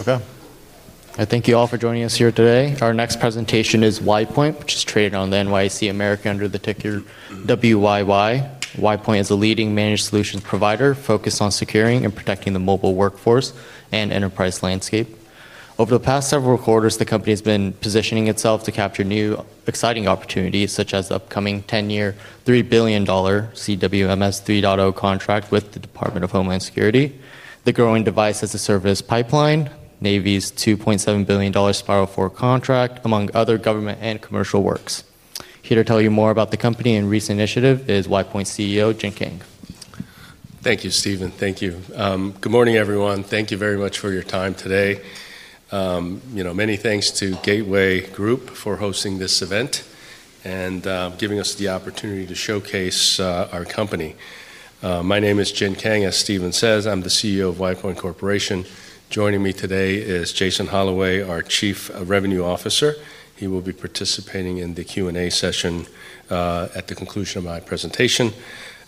Okay. I thank you all for joining us here today. Our next presentation is WidePoint, which is traded on the NYSE American under the ticker WYY. WidePoint is a leading managed solutions provider focused on securing and protecting the mobile workforce and enterprise landscape. Over the past several quarters, the company has been positioning itself to capture new exciting opportunities, such as the upcoming 10-year, $3 billion CWMS 3.0 contract with the Department of Homeland Security, the growing Device as a Service pipeline, Navy's $2.7 billion Spiral 4 contract, among other government and commercial works. Here to tell you more about the company and recent initiative is WidePoint's CEO, Jin Kang. Thank you, Steven. Thank you. Good morning, everyone. Thank you very much for your time today. Many thanks to Gateway Group for hosting this event and giving us the opportunity to showcase our company. My name is Jin Kang. As Steven says, I'm the CEO of WidePoint Corporation. Joining me today is Jason Holloway, our Chief Revenue Officer. He will be participating in the Q&A session at the conclusion of my presentation.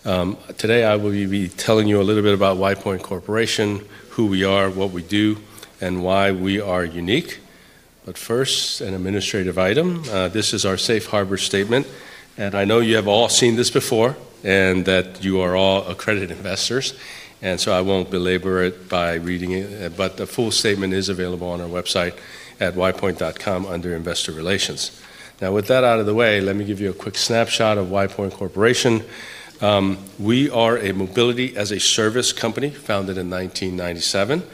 Today, I will be telling you a little bit about WidePoint Corporation, who we are, what we do, and why we are unique, but first, an administrative item. This is our Safe Harbor Statement, and I know you have all seen this before and that you are all accredited investors, and so I won't belabor it by reading it, but the full statement is available on our website at widepoint.com under Investor Relations. Now, with that out of the way, let me give you a quick snapshot of WidePoint Corporation. We are a Mobility-as-a-Service company founded in 1997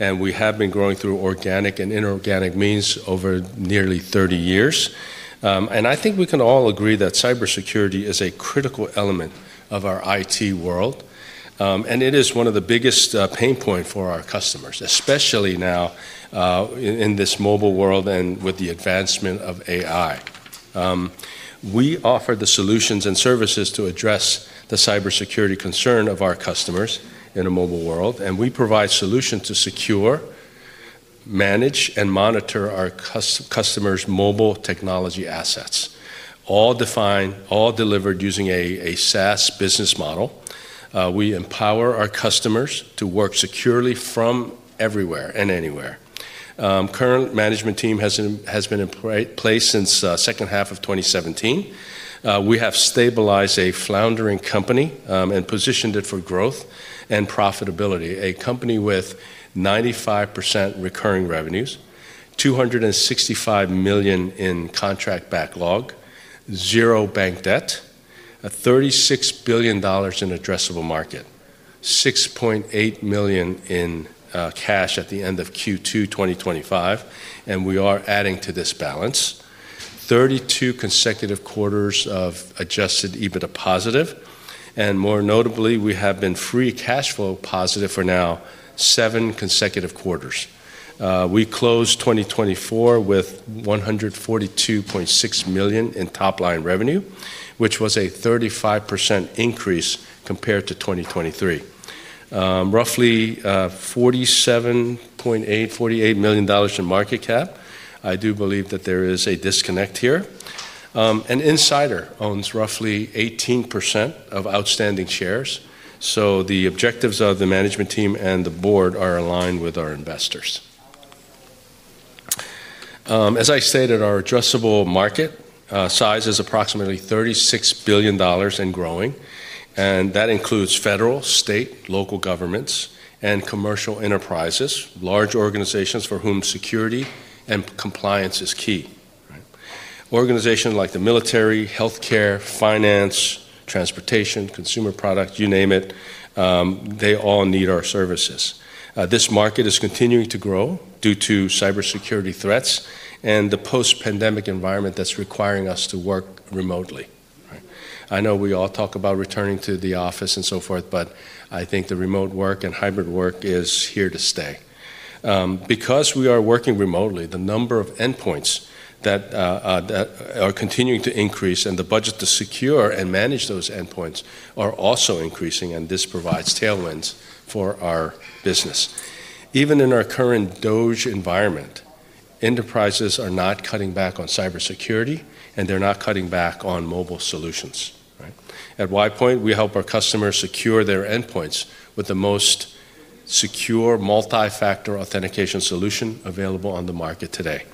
and we have been growing through organic and inorganic means over nearly 30 years, and I think we can all agree that cybersecurity is a critical element of our IT world, and it is one of the biggest pain points for our customers, especially now in this mobile world and with the advancement of AI. We offer the solutions and services to address the cybersecurity concern of our customers in a mobile world and we provide solutions to secure, manage, and monitor our customers' mobile technology assets, all delivered using a SaaS business model. We empower our customers to work securely from everywhere and anywhere. Current management team has been in place since the second half of 2017. We have stabilized a floundering company and positioned it for growth and profitability, a company with 95% recurring revenues, $265 million in contract backlog, zero bank debt, $36 billion in addressable market, $6.8 million in cash at the end of Q2 2025, and we are adding to this balance, 32 consecutive quarters of adjusted EBITDA positive, and more notably, we have been free cash flow positive for now seven consecutive quarters. We closed 2024 with $142.6 million in top-line revenue, which was a 35% increase compared to 2023, roughly $47.8-$48 million in market cap. I do believe that there is a disconnect here. An insider owns roughly 18% of outstanding shares, so the objectives of the management team and the board are aligned with our investors. As I stated, our addressable market size is approximately $36 billion and growing. That includes federal, state, local governments, and commercial enterprises, large organizations for whom security and compliance is key. Organizations like the military, healthcare, finance, transportation, consumer products, you name it, they all need our services. This market is continuing to grow due to cybersecurity threats and the post-pandemic environment that's requiring us to work remotely. I know we all talk about returning to the office and so forth, but I think the remote work and hybrid work is here to stay. Because we are working remotely, the number of endpoints that are continuing to increase and the budget to secure and manage those endpoints are also increasing and this provides tailwinds for our business. Even in our current dour environment, enterprises are not cutting back on cybersecurity, and they're not cutting back on mobile solutions. At WidePoint, we help our customers secure their endpoints with the most secure multi-factor authentication solution available on the market today.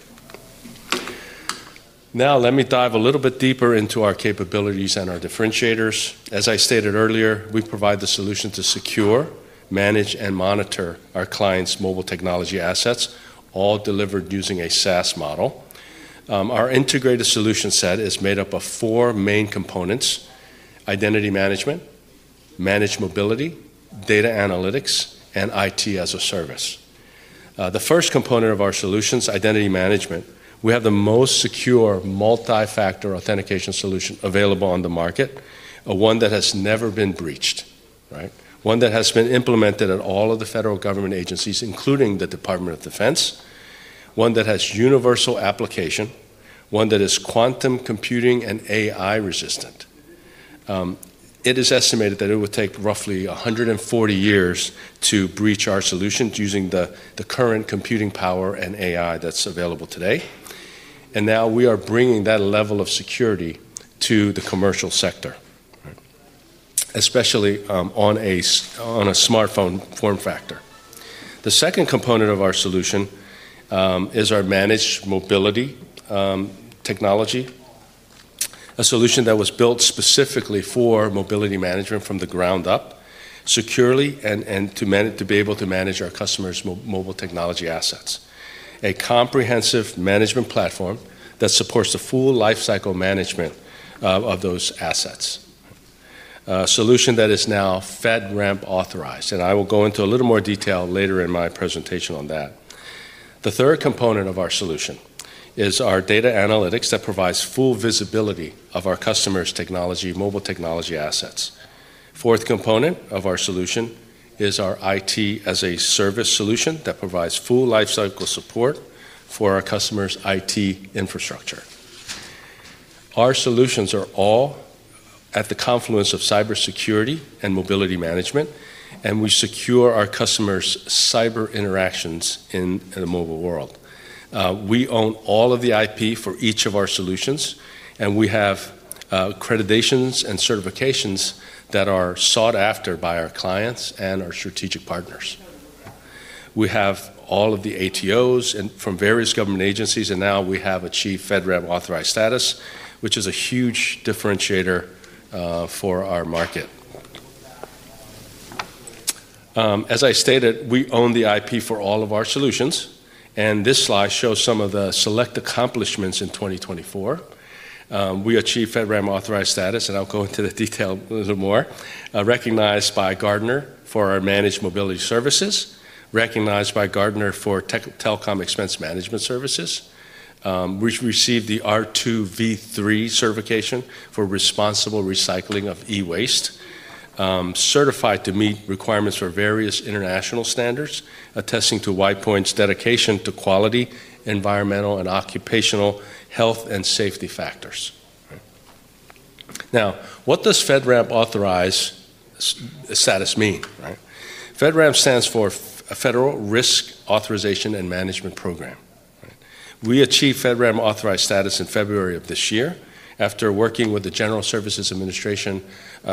Now, let me dive a little bit deeper into our capabilities and our differentiators. As I stated earlier, we provide the solution to secure, manage, and monitor our clients' mobile technology assets, all delivered using a SaaS model. Our integrated solution set is made up of four main components: identity management, managed mobility, data analytics, and IT as a Service. The first component of our solutions, identity management, we have the most secure multi-factor authentication solution available on the market, one that has never been breached, one that has been implemented at all of the federal government agencies, including the Department of Defense, one that has universal application, one that is quantum computing and AI resistant. It is estimated that it would take roughly 140 years to breach our solutions using the current computing power and AI that's available today and now we are bringing that level of security to the commercial sector, especially on a smartphone form factor. The second component of our solution is our managed mobility technology, a solution that was built specifically for mobility management from the ground up, securely, and to be able to manage our customers' mobile technology assets, a comprehensive management platform that supports the full lifecycle management of those assets, a solution that is now FedRAMP Authorized. I will go into a little more detail later in my presentation on that. The third component of our solution is our data analytics that provides full visibility of our customers' technology, mobile technology assets. The fourth component of our solution is our IT as a Service solution that provides full lifecycle support for our customers' IT infrastructure. Our solutions are all at the confluence of cybersecurity and mobility management. We secure our customers' cyber interactions in the mobile world. We own all of the IP for each of our solutions. We have accreditations and certifications that are sought after by our clients and our strategic partners. We have all of the ATOs from various government agencies. Now we have achieved FedRAMP authorized status, which is a huge differentiator for our market. As I stated, we own the IP for all of our solutions. This slide shows some of the select accomplishments in 2024. We achieved FedRAMP authorized status and I'll go into the detail a little more. recognized by Gartner for our managed mobility services, recognized by Gartner for Telecom Expense Management services. We received the R2v3 certification for responsible recycling of e-waste, certified to meet requirements for various international standards, attesting to WidePoint's dedication to quality, environmental, and occupational health and safety factors. Now, what does FedRAMP authorized status mean? FedRAMP stands for Federal Risk and Authorization Management Program. We achieved FedRAMP authorized status in February of this year after working with the General Services Administration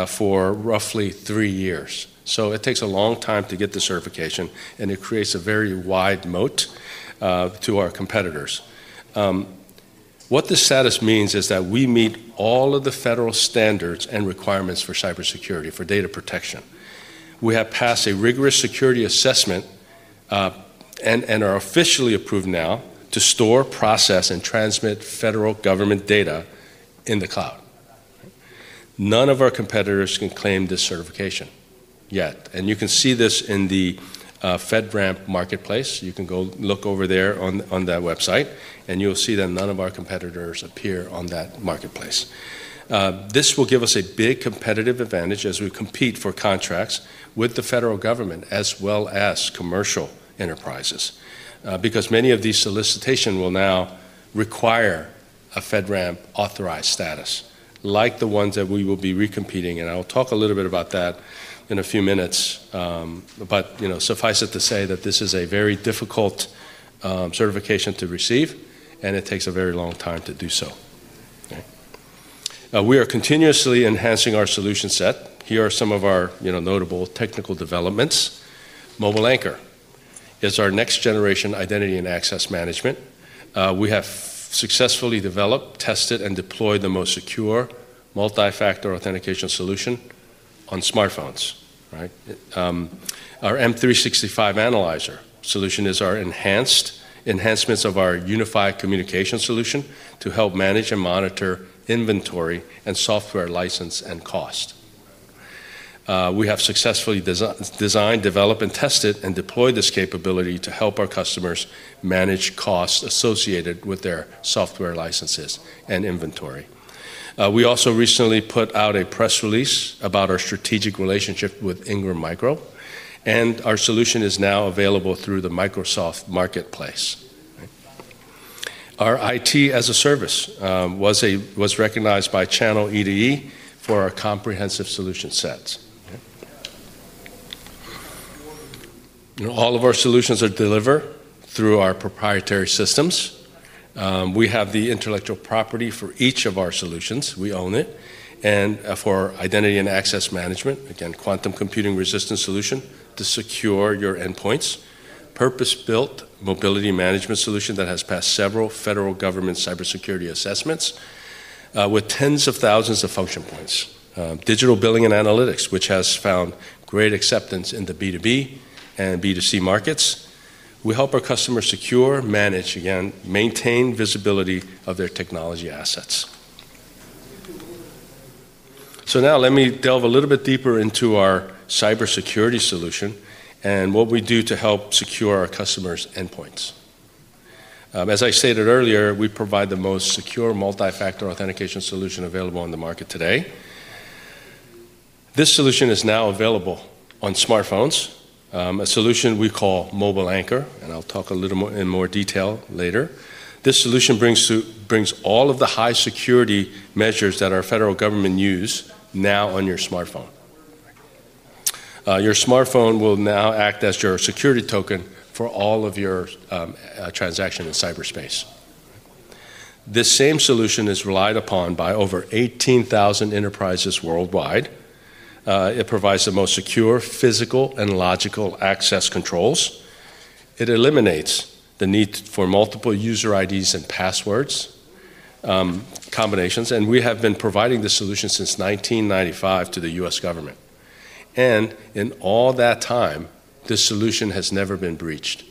for roughly three years. So it takes a long time to get the certification. And it creates a very wide moat to our competitors. What this status means is that we meet all of the federal standards and requirements for cybersecurity, for data protection. We have passed a rigorous security assessment and are officially approved now to store, process, and transmit federal government data in the cloud. None of our competitors can claim this certification yet, and you can see this in the FedRAMP Marketplace. You can go look over there on that website, and you'll see that none of our competitors appear on that marketplace. This will give us a big competitive advantage as we compete for contracts with the federal government as well as commercial enterprises, because many of these solicitations will now require a FedRAMP authorized status, like the ones that we will be recompeting. I'll talk a little bit about that in a few minutes, but suffice it to say that this is a very difficult certification to receive. It takes a very long time to do so. We are continuously enhancing our solution set. Here are some of our notable technical developments. MobileAnchor is our next-generation identity and access management. We have successfully developed, tested, and deployed the most secure multi-factor authentication solution on smartphones. Our M365 Analyzer solution is our enhanced enhancements of our unified communication solution to help manage and monitor inventory and software license and cost. We have successfully designed, developed, and tested and deployed this capability to help our customers manage costs associated with their software licenses and inventory. We also recently put out a press release about our strategic relationship with Ingram Micro, and our solution is now available through the Microsoft Marketplace. Our IT as a service was recognized by ChannelE2E for our comprehensive solution sets. All of our solutions are delivered through our proprietary systems. We have the intellectual property for each of our solutions. We own it. For identity and access management, again, quantum computing resistance solution to secure your endpoints, purpose-built mobility management solution that has passed several federal government cybersecurity assessments with tens of thousands of function points, digital billing and analytics, which has found great acceptance in the B2B and B2C markets. We help our customers secure, manage, again, maintain visibility of their technology assets. Now let me delve a little bit deeper into our cybersecurity solution and what we do to help secure our customers' endpoints. As I stated earlier, we provide the most secure multi-factor authentication solution available on the market today. This solution is now available on smartphones, a solution we call Mobile Anchor. I'll talk a little more in more detail later. This solution brings all of the high-security measures that our federal government use now on your smartphone. Your smartphone will now act as your security token for all of your transactions in cyberspace. This same solution is relied upon by over 18,000 enterprises worldwide. It provides the most secure physical and logical access controls. It eliminates the need for multiple user IDs and passwords combinations, and we have been providing this solution since 1995 to the U.S. government, and in all that time, this solution has never been breached.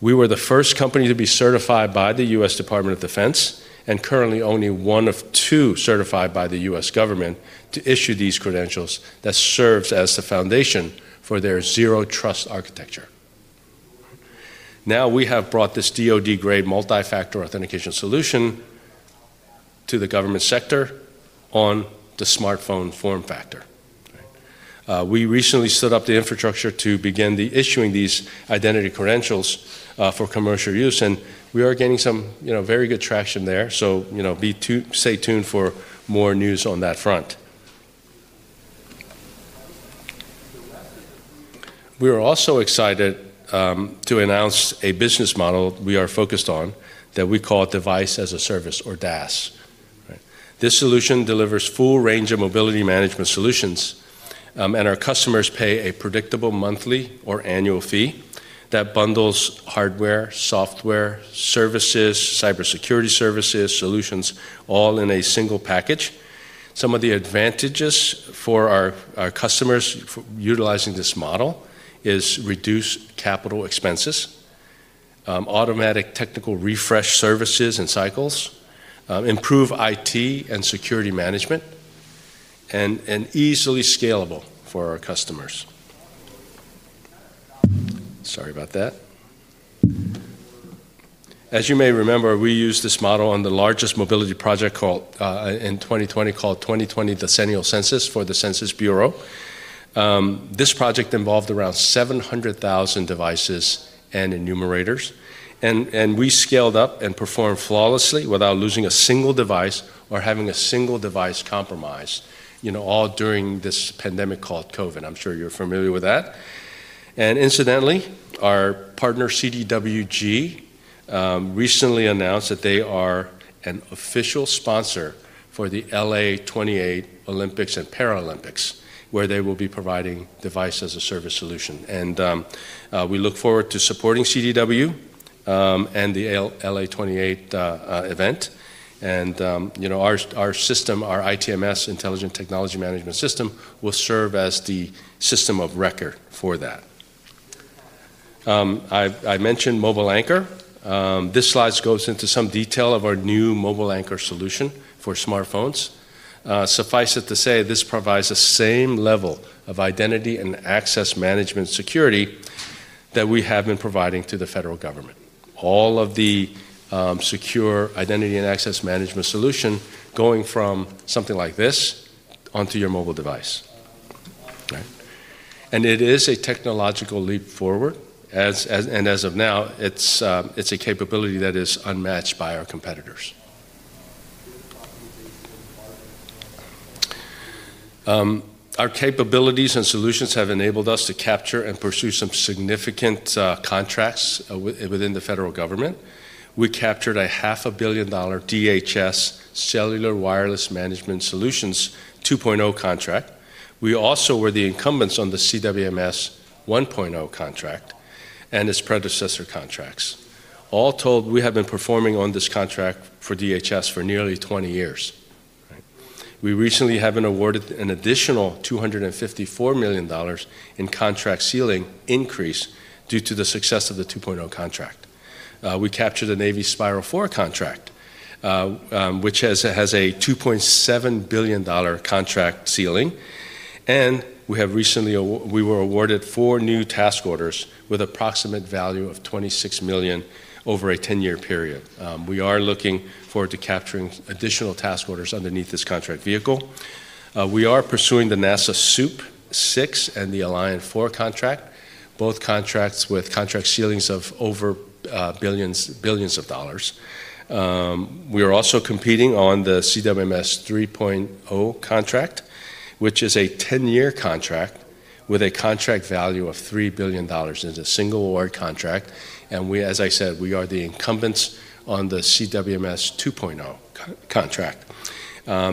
We were the first company to be certified by the U.S. Department of Defense and currently only one of two certified by the U.S. government to issue these credentials that serves as the foundation for their Zero Trust Architecture. Now we have brought this DOD-grade Multi-Factor Authentication solution to the government sector on the smartphone form factor. We recently set up the infrastructure to begin issuing these identity credentials for commercial use. We are gaining some very good traction there so stay tuned for more news on that front. We are also excited to announce a business model we are focused on that we call Device as a Service, or DAS. This solution delivers a full range of mobility management solutions. Our customers pay a predictable monthly or annual fee that bundles hardware, software, services, cybersecurity services, solutions, all in a single package. Some of the advantages for our customers utilizing this model are reduced capital expenses, automatic technical refresh services and cycles, improved IT and security management, and easily scalable for our customers. Sorry about that. As you may remember, we used this model on the largest mobility project in 2020 called 2020 Decennial Census for the Census Bureau. This project involved around 700,000 devices and enumerators. We scaled up and performed flawlessly without losing a single device or having a single device compromised, all during this pandemic called COVID. I'm sure you're familiar with that. And incidentally, our partner CDWG recently announced that they are an official sponsor for the LA 2028 Olympics and Paralympics, where they will be providing Device as a Service solution. And we look forward to supporting CDW and the LA 2028 event and our system, our ITMS, Intelligent Technology Management System, will serve as the system of record for that. I mentioned Mobile Anchor. This slide goes into some detail of our new Mobile Anchor solution for smartphones. Suffice it to say, this provides the same level of identity and access management security that we have been providing to the federal government, all of the secure identity and access management solution going from something like this onto your mobile device. It is a technological leap forward. As of now, it's a capability that is unmatched by our competitors. Our capabilities and solutions have enabled us to capture and pursue some significant contracts within the federal government. We captured a $500 million DHS Cellular Wireless Managed Services 2.0 contract. We also were the incumbents on the CWMS 1.0 contract and its predecessor contracts. All told, we have been performing on this contract for DHS for nearly 20 years. We recently have been awarded an additional $254 million in contract ceiling increase due to the success of the 2.0 contract. We captured the Navy Spiral 4 contract, which has a $2.7 billion contract ceiling. We were awarded four new task orders with an approximate value of $26 million over a 10-year period. We are looking forward to capturing additional task orders underneath this contract vehicle. We are pursuing the NASA SEWP VI and the Alliant 4 contract, both contracts with contract ceilings of over billions of dollars. We are also competing on the CWMS 3.0 contract, which is a 10-year contract with a contract value of $3 billion. It's a single award contract, and as I said, we are the incumbents on the CWMS 2.0 contract.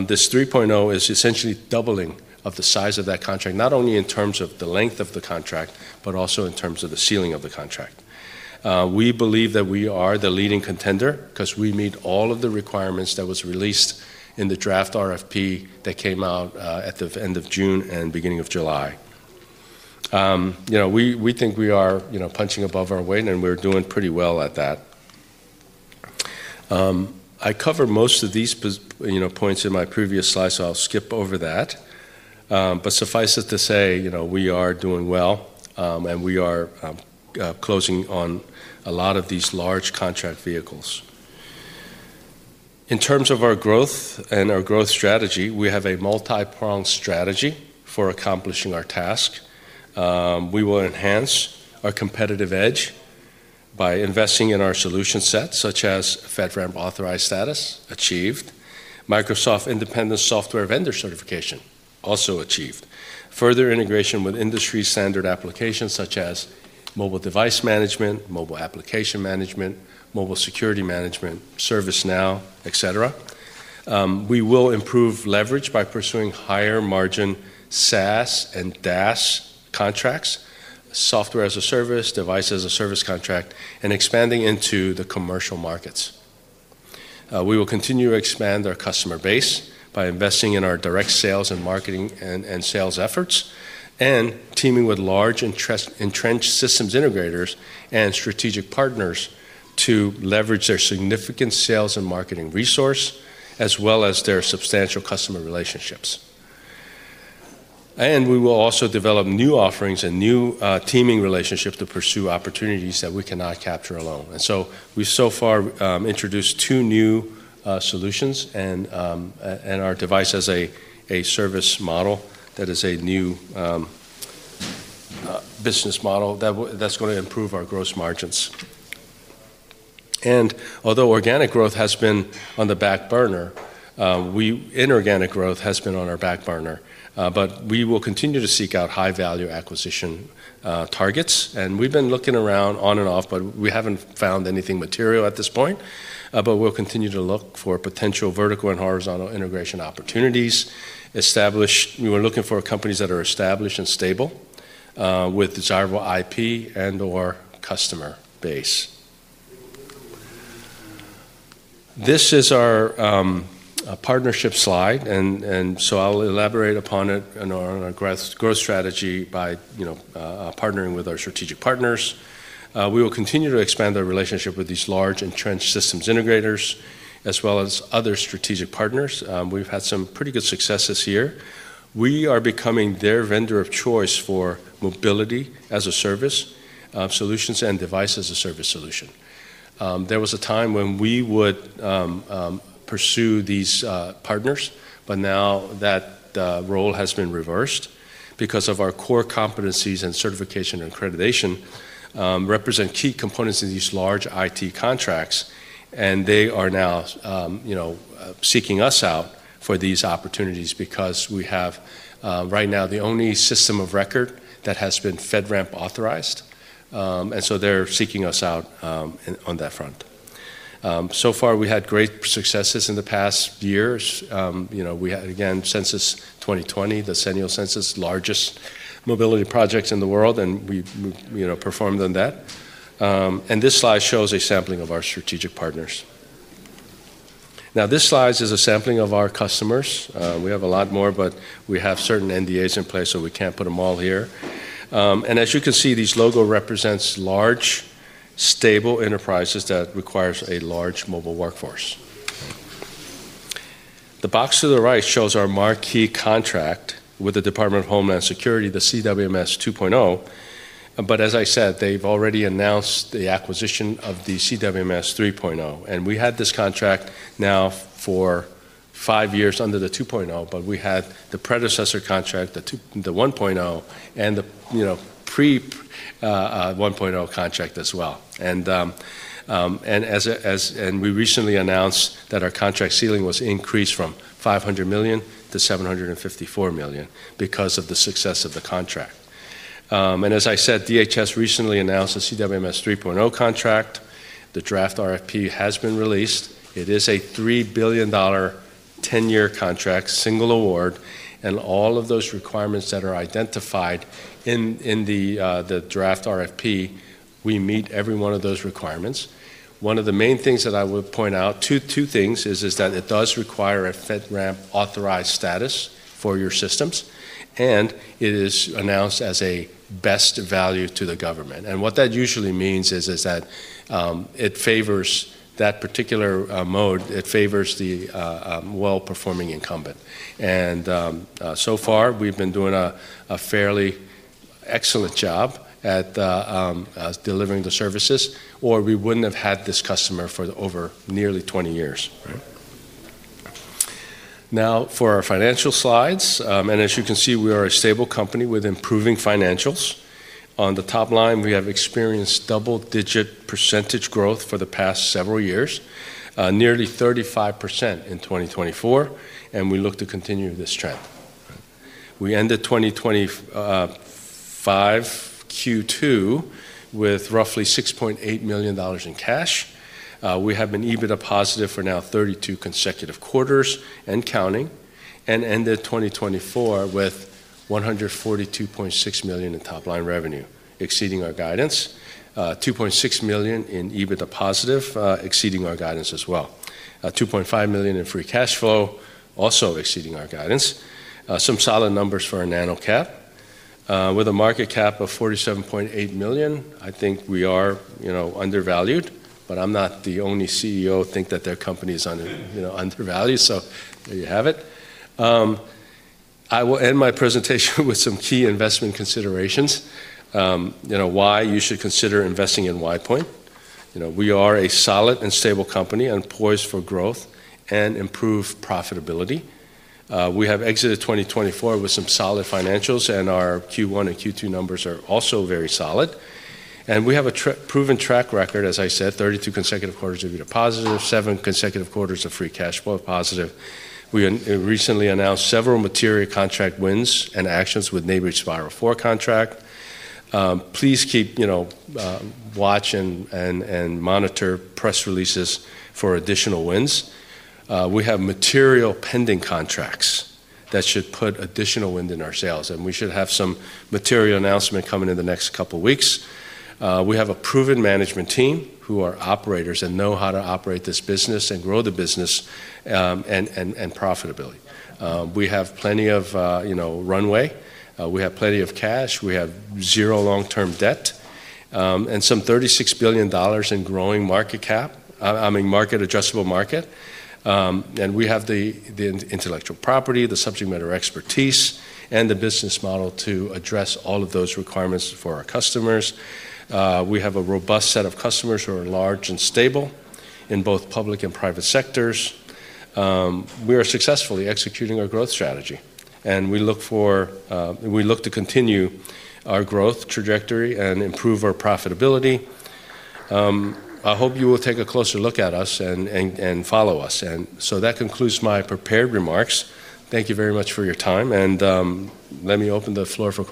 This 3.0 is essentially doubling of the size of that contract, not only in terms of the length of the contract, but also in terms of the ceiling of the contract. We believe that we are the leading contender because we meet all of the requirements that were released in the draft RFP that came out at the end of June and beginning of July. We think we are punching above our weight, and we're doing pretty well at that. I covered most of these points in my previous slide, so I'll skip over that, but suffice it to say, we are doing well, and we are closing on a lot of these large contract vehicles. In terms of our growth and our growth strategy, we have a multi-pronged strategy for accomplishing our task. We will enhance our competitive edge by investing in our solution set, such as FedRAMP authorized status, achieved, Microsoft Independent Software Vendor certification, also achieved, further integration with industry-standard applications, such as mobile device management, mobile application management, mobile security management, ServiceNow, et cetera. We will improve leverage by pursuing higher margin SaaS and DAS contracts, software as a service, device as a service contract, and expanding into the commercial markets. We will continue to expand our customer base by investing in our direct sales and marketing and sales efforts and teaming with large entrenched systems integrators and strategic partners to leverage their significant sales and marketing resource, as well as their substantial customer relationships, and we will also develop new offerings and new teaming relationships to pursue opportunities that we cannot capture alone, and so we so far introduced two new solutions and our Device as a Service model that is a new business model that's going to improve our gross margins, and although organic growth has been on the back burner, inorganic growth has been on our back burner, but we will continue to seek out high-value acquisition targets, and we've been looking around on and off, but we haven't found anything material at this point, but we'll continue to look for potential vertical and horizontal integration opportunities. We were looking for companies that are established and stable with desirable IP and/or customer base. This is our partnership slide. And so I'll elaborate upon it and our growth strategy by partnering with our strategic partners. We will continue to expand our relationship with these large entrenched systems integrators, as well as other strategic partners. We've had some pretty good successes here. We are becoming their vendor of choice for mobility as a service solutions and Device as a Service solution. There was a time when we would pursue these partners. But now that role has been reversed because of our core competencies and certification and accreditation represent key components of these large IT contracts. And they are now seeking us out for these opportunities because we have right now the only system of record that has been FedRAMP authorized. And so they're seeking us out on that front. So far, we had great successes in the past years. We had, again, Census 2020, the decennial census, largest mobility projects in the world. And we performed on that. And this slide shows a sampling of our strategic partners. Now this slide is a sampling of our customers. We have a lot more. But we have certain NDAs in place. So we can't put them all here. And as you can see, these logos represent large, stable enterprises that require a large mobile workforce. The box to the right shows our marquee contract with the Department of Homeland Security, the CWMS 2.0. But as I said, they've already announced the acquisition of the CWMS 3.0. And we had this contract now for five years under the 2.0. But we had the predecessor contract, the 1.0, and the pre-1.0 contract as well. We recently announced that our contract ceiling was increased from $500 million to $754 million because of the success of the contract. As I said, DHS recently announced the CWMS 3.0 contract. The draft RFP has been released. It is a $3 billion 10-year contract, single award. All of those requirements that are identified in the draft RFP, we meet every one of those requirements. One of the main things that I would point out, two things, is that it does require a FedRAMP authorized status for your systems. It is announced as a best value to the government. What that usually means is that it favors that particular mode. It favors the well-performing incumbent. So far, we've been doing a fairly excellent job at delivering the services. Or we wouldn't have had this customer for over nearly 20 years. Now for our financial slides. And as you can see, we are a stable company with improving financials. On the top line, we have experienced double-digit % growth for the past several years, nearly 35% in 2024. And we look to continue this trend. We ended 2025 Q2 with roughly $6.8 million in cash. We have been EBITDA positive for now 32 consecutive quarters and counting. And ended 2024 with $142.6 million in top-line revenue, exceeding our guidance, $2.6 million EBITDA-positive, exceeding our guidance as well, $2.5 million in free cash flow, also exceeding our guidance. Some solid numbers for our nano-cap. With a market cap of $47.8 million, I think we are undervalued. But I'm not the only CEO who thinks that their company is undervalued. So there you have it. I will end my presentation with some key investment considerations, why you should consider investing in WidePoint. We are a solid and stable company and poised for growth and improved profitability. We have exited 2024 with some solid financials, and our Q1 and Q2 numbers are also very solid, and we have a proven track record, as I said, 32 consecutive quarters of EBITDA positive, seven consecutive quarters of free cash flow positive. We recently announced several material contract wins and actions with Navy Spiral 4 contract. Please keep watching and monitor press releases for additional wins. We have material pending contracts that should put additional wind in our sails, and we should have some material announcement coming in the next couple of weeks. We have a proven management team who are operators and know how to operate this business and grow the business and profitability. We have plenty of runway. We have plenty of cash. We have zero long-term debt and some $36 billion in growing addressable market. I mean, we have the intellectual property, the subject matter expertise, and the business model to address all of those requirements for our customers. We have a robust set of customers who are large and stable in both public and private sectors. We are successfully executing our growth strategy. We look to continue our growth trajectory and improve our profitability. I hope you will take a closer look at us and follow us. That concludes my prepared remarks. Thank you very much for your time. Let me open the floor for.